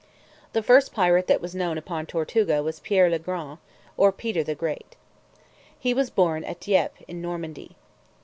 The first pirate that was known upon Tortuga was Pierre le Grand, or Peter the Great. He was born at Dieppe in Normandy.